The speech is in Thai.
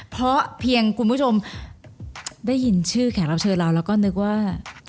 เพราะเพียงคุณผู้ชมได้ยินชื่อแขกรับเชิญเราแล้วก็นึกว่า